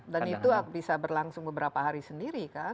dan itu bisa berlangsung beberapa hari sendiri kan